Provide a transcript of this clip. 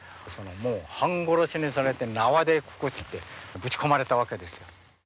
もう半殺しにされて縄でくくって、ぶち込まれたわけですよ。